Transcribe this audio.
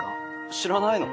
知らないの？